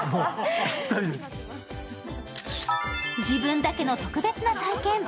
自分だけの特別な体験。